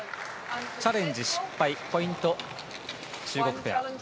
チャレンジ失敗ポイント、中国ペア。